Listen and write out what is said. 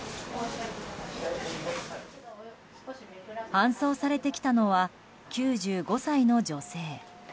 搬送されてきたのは９５歳の女性。